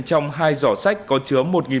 trong hai giỏ sách có chứa một một trăm linh